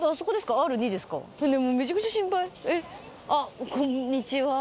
あっこんにちは。